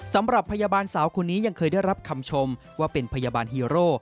สำหรับพยาบาลสาวคนนี้ยังเคยได้รับคำชมว่าเป็นพยาบาลฮีโร่